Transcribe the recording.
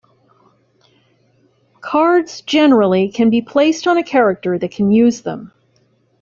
Cards, generally, can be placed on a character that can use them.